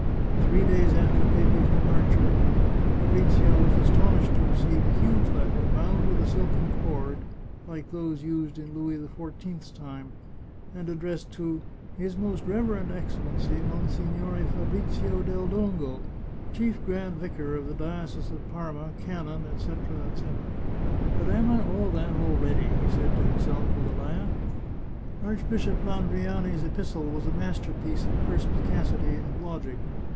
Three days after Pepe's departure, Fabrizio was aston ished to receive a huge letter bound with a silken cord, like those used in Louis XIV's time, and addressed to " His Most Reverend Excellency, Monsignore Fabrizio del Dongo, Chief Grand Vicar of the Diocese of Parma, Canon, etc." " But am I all that already ?" he said to himself with a laugh. Archbishop Landriani's epistle was a masterpiece of perspicacity and logic.